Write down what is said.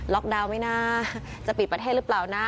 ล็อกดาวน์ไม่น่าจะปีดประเทศหรือเปล่านะ